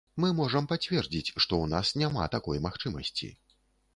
Мы можам пацвердзіць, што ў нас няма такой магчымасці.